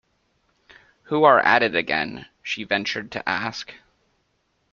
‘Who are at it again?’ she ventured to ask.